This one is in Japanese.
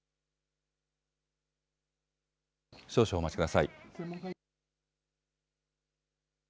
少々お待ちください。